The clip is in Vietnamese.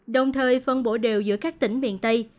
đồng thời phân bộ đều giữa các tỉnh miền tây